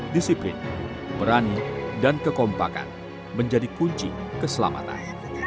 disiplin berani dan kekompakan menjadi kunci keselamatan